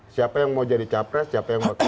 siapa yang mau jadi capres siapa yang mau